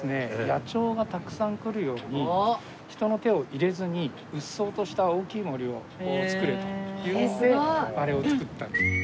野鳥がたくさん来るように人の手を入れずにうっそうとした大きい森を作れというのであれを作った。